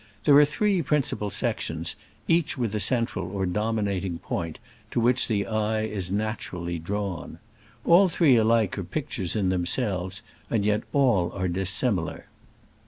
There are three principal sections, each with a central or dominating point, to which the eye is naturally drawn. All three alike are pictures in themselves, yet all are dis similar.